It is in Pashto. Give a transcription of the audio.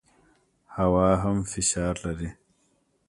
هوا هم فشار لري.